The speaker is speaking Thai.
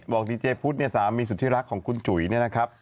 บอกดีเจพุธสามีสุธิรักของคุณจุ๋ยนี่นะครับ